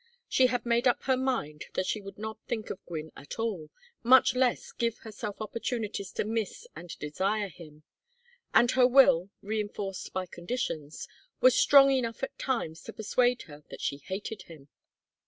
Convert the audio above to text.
She had made up her mind that she would not think of Gwynne at all, much less give herself opportunities to miss and desire him; and her will, reinforced by conditions, was strong enough at times to persuade her that she hated him.